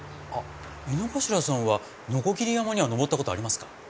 あっ井之頭さんは鋸山には登ったことありますか？